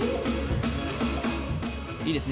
いいですね